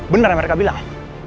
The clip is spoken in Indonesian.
bener yang mereka bilang